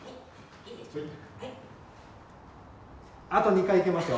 あと２回いけますよ。